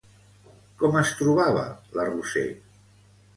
Com es trobava la Roser?